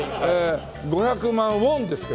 ５００万ウォンですけども。